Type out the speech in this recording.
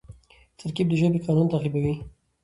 ترکیب د ژبي قانون تعقیبوي.